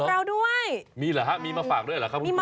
น้ำตาตกโคให้มีโชคเมียรสิเราเคยคบกันเหอะน้ำตาตกโคให้มีโชค